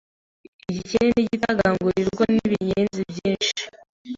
igikeri n'igitagangurirwa nibinyenzi byinshi